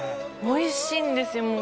おいしいんですよ